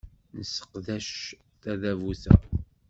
Nesseqdec tadabut-a.